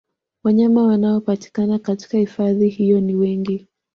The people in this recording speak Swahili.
Wanyama wanaopatikana katika hifadhi hiyo ni wengi